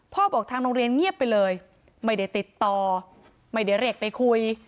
บอกทางโรงเรียนเงียบไปเลยไม่ได้ติดต่อไม่ได้เรียกไปคุย